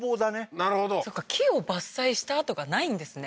なるほどそっか木を伐採した跡がないんですね